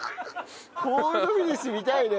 コールドフィニッシュ見たいね。